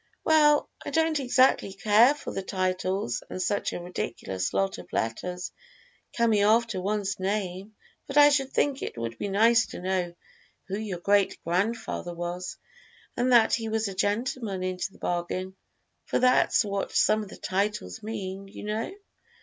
"Well, I don't exactly care for the titles and such a ridiculous lot of letters coming after one's name, but I should think it would be nice to know who your greatest grandfather was, and that he was a gentleman into the bargain, for that's what some of the titles mean, you know.